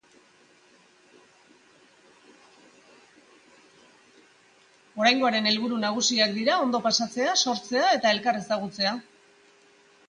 ondo pasatzea, sortzea eta elkar ezagutzea dira oraingoaren helburu nagusiak